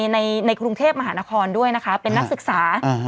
ในกรุงเทพมหานครด้วยนะคะเป็นนักศึกษา